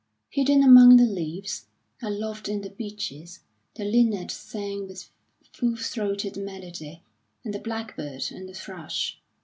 Hidden among the leaves, aloft in the beeches, the linnet sang with full throated melody, and the blackbird and the thrush.